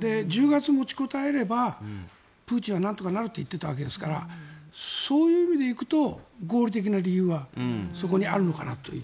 １０月、持ちこたえればプーチンはなんとかなると言っていたわけですからそういう意味で行くと合理的な理由がそこにあるのかなという。